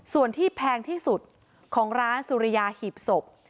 ส่วนที่แพงที่สุดของร้านสุริยาหีบศพ